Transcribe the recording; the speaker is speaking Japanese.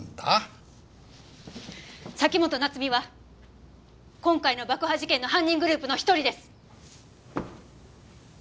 崎本菜津美は今回の爆破事件の犯人グループの一人です！